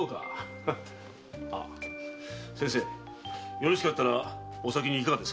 よろしかったらお先にいかがですか？